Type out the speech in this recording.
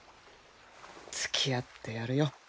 つきあってやるよ。